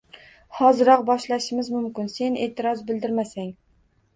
— Hoziroq boshlashimiz mumkin, sen e’tiroz bildirmasang.